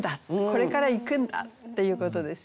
これから行くんだっていうことですよね。